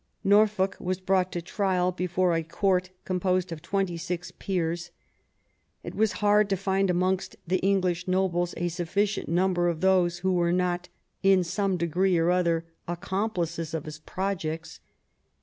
Norfolk was brought to trial before a Court composed of twenty six peers. It was hard to find amongst the English nobles a sufficient number of those who were not, in some degree or other, accomplices of his pro jects.